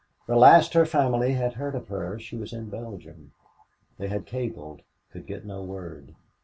The last her family had heard of her she was in Belgium. They had cabled could get no word.